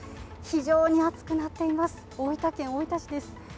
非常に暑くなっています、大分県大分市です。